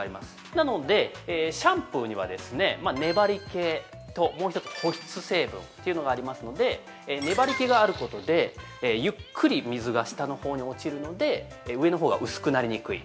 なので、シャンプーには粘り気と、もう一つ保湿成分というのがありますので粘り気があることでゆっくり水が下のほうに落ちるので上のほうが薄くなりにくい。